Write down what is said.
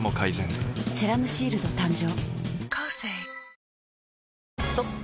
「セラムシールド」誕生